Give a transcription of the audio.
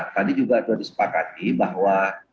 tadi juga sudah disepakati bahwa